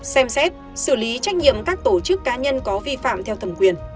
xem xét xử lý trách nhiệm các tổ chức cá nhân có vi phạm theo thẩm quyền